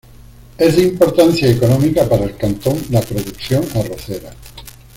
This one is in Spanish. Es de importancia económica para el cantón la producción arrocera.